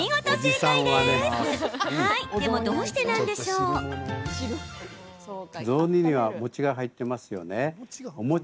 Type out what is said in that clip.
でも、どうしてなんでしょうか？